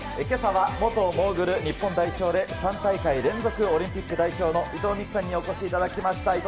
けさは元モーグル日本代表で、３大会連続オリンピック代表の伊藤みきさんにお越しいただきました。